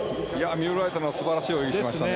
ミュールライトナー素晴らしい泳ぎしましたね。